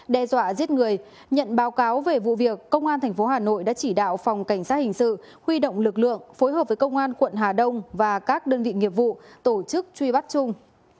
đe dọa giết người nhận báo cáo về vụ việc công an tp hà nội đã chỉ đạo phòng cảnh sát hình sự huy động lực lượng phối hợp với công an quận hà đông và các đơn vị nghiệp vụ tổ chức truy bắt trung